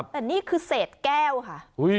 แต่นี่คือเศษแก้วค่ะ